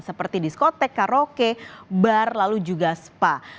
seperti diskotek karaoke bar lalu juga spa